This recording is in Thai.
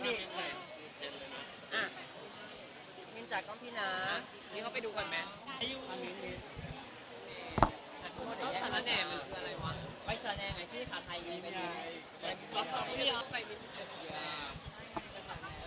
กำพี่นา